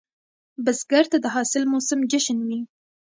بزګر ته د حاصل موسم جشن وي